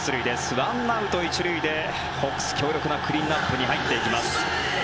１アウト１塁でホークス強力なクリーンアップに入っていきます。